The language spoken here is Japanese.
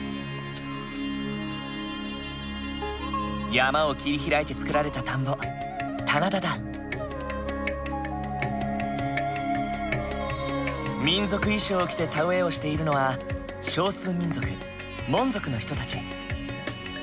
山を切り開いて作られた田んぼ民族衣装を着て田植えをしているのは少数民族モン族の人たち。